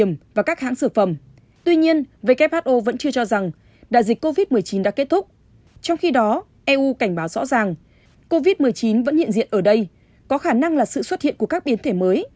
eu cảnh báo rõ ràng covid một mươi chín vẫn hiện diện ở đây có khả năng là sự xuất hiện của các biến thể mới